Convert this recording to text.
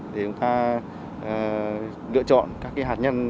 để chúng ta lựa chọn các hạt nhân